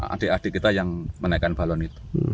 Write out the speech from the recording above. ade ade kita yang menaikan balon itu